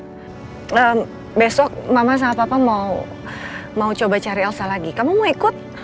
eh besok mama sama papa mau coba cari elsa lagi kamu mau ikut